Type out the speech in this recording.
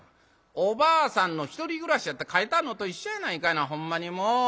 おばあさんのひとり暮らしやて書いてあんのと一緒やないかいなほんまにもう。